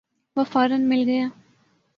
وہ فورا مل گیا۔